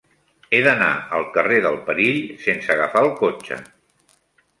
He d'anar al carrer del Perill sense agafar el cotxe.